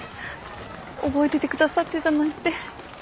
覚えててくださってたなんて。